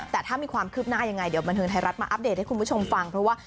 แต่ถ้ามีความคืบหน้ายังไงเดี๋ยวบันเทิงไทยรัฐมาอัปเดตให้คุณผู้ชมฟังเพราะว่า